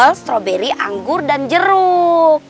yang kedua stroberi anggur dan jeruk